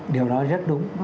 điều đó rất đúng